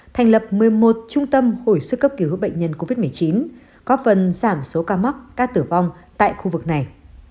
thành lập một mươi một trung tâm hồi sức cấp cứu bệnh nhân covid một mươi chín góp phần giảm số ca mắc ca tử vong tại khu vực này